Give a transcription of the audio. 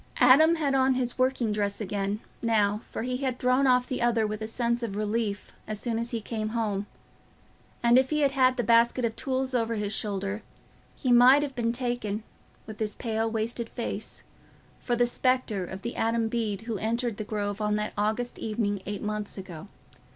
Adam had on his working dress again, now, for he had thrown off the other with a sense of relief as soon as he came home; and if he had had the basket of tools over his shoulder, he might have been taken, with his pale wasted face, for the spectre of the Adam Bede who entered the Grove on that August evening eight months ago.